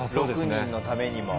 ６人のためにも。